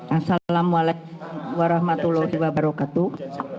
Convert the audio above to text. assalamualaikum warahmatullahi wabarakatuh